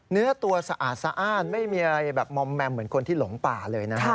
เนื้อตัวสะอาดสะอ้านไม่มีอะไรแบบมอมแมมเหมือนคนที่หลงป่าเลยนะฮะ